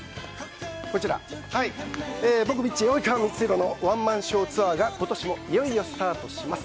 僕、ミッチー、及川光博のワンマンショーが今年もいよいよスタートします。